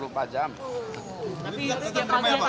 tapi setiap paginya datang pak